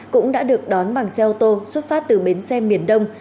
cũng đã được đón bằng xe ô tô xuất phát từ bến xe miền đông